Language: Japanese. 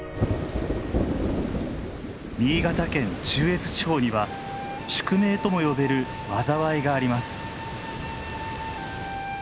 新潟県中越地方には宿命とも呼べる災いがあります。